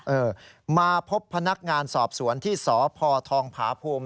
เออมาพบพนักงานสอบสวนที่สพทองผาภูมิ